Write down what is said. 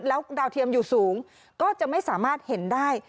แล้วดาวเทียมอยู่สูงก็จะไม่สามารถเห็นได้